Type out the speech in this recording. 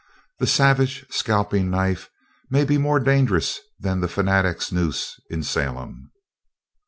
The savage scalping knife may be more dangerous than the fanatic's noose in Salem."